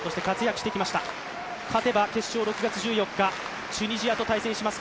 勝てば決勝６月１４日、チュニジアと対戦します